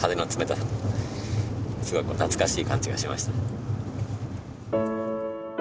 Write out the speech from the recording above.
すごいこう懐かしい感じがしました。